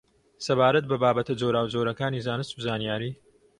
سەبارەت بە بابەتە جۆراوجۆرەکانی زانست و زانیاری